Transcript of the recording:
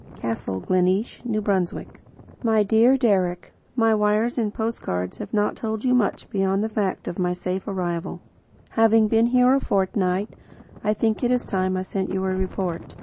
Castle Gleneesh, N. B. My dear Deryck: My wires and post cards have not told you much beyond the fact of my safe arrival. Having been here a fortnight, I think it is time I sent you a report.